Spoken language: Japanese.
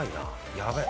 やべえ。